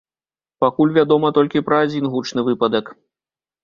Пакуль вядома толькі пра адзін гучны выпадак.